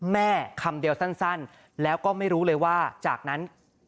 คำเดียวสั้นแล้วก็ไม่รู้เลยว่าจากนั้น